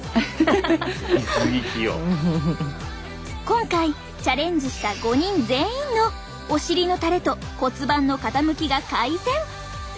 今回チャレンジした５人全員のお尻のたれと骨盤の傾きが改善。